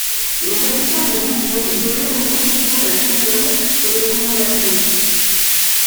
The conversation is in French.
Les habitants de Viviers venaient en procession à la chapelle pour obtenir la pluie.